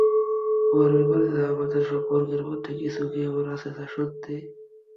তোমার ব্যাপারে বা আমাদের সম্পর্কের মধ্যে কিছু কি এমন আছে যা সত্যি?